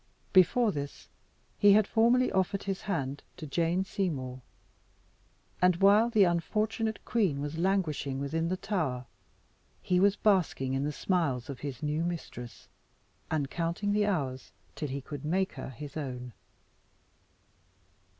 Before this, he had formally offered his hand to Jane Seymour; and while the unfortunate queen was languishing within the Tower, he was basking in the smiles of his new mistress, and counting the hours till he could make her his own.